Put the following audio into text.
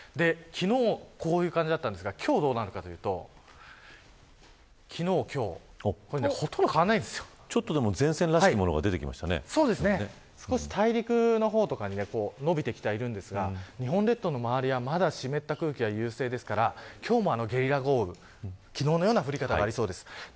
昨日こういう感じだったんですが今日どうだったかというと昨日、今日ちょっと前線らしきものが少し大陸の方に伸びてきてはいるんですが日本列島の周りはまだ湿った空気が優勢ですから今日もゲリラ豪雨昨日のような降り方がありそうです。